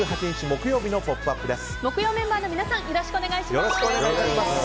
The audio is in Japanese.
木曜メンバーの皆さんよろしくお願いします。